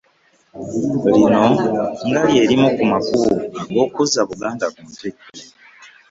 Lino nga lye limu ku makubo og'okuzza Buganda ku ntikko.